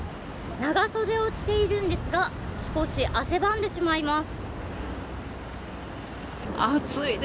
長袖を着ているんですが少し汗ばんでしまいます。